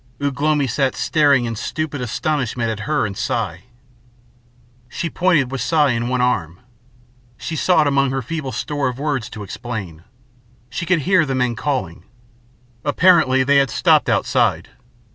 Ugh lomi sat staring in stupid astonishment at her and Si. She pointed with Si in one arm. She sought among her feeble store of words to explain. She could hear the men calling. Apparently they had stopped outside.